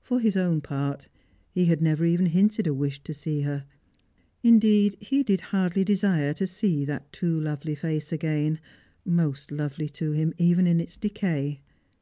For his own part he had never even hinted a wish to see her. Indeed, he did hardly desire to see that too lovely face again, most lovely to him even in its decay.